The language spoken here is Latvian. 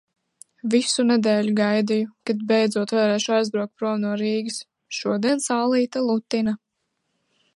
Visu nedēļu gaidīju, kad beidzot varēšu aizbraukt prom no Rīgas. Šodien saulīte lutina.